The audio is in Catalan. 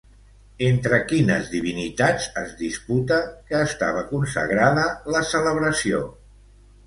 Entre quines divinitats es disputa que estava consagrada la celebració?